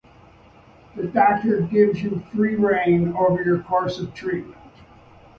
The doctor gives you free rein over your course of treatment.